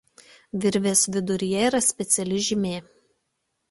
Virvės viduryje yra speciali žymė.